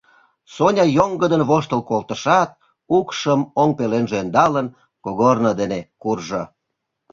Соня, йоҥгыдын воштыл колтышат, укшым оҥ пеленже ӧндалын, кугорно дене куржо.